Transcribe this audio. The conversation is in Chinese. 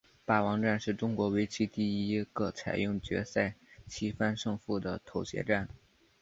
霸王战是中国围棋第一个采用决赛七番胜负的头衔战。